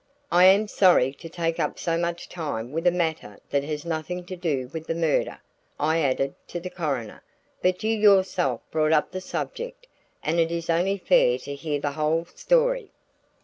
"I am sorry to take up so much time with a matter that has nothing to do with the murder," I added to the coroner, "but you yourself brought up the subject and it is only fair to hear the whole story."